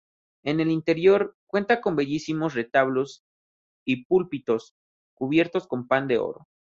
En el interior, cuenta con bellísimos retablos y púlpitos cubiertos con pan de oro.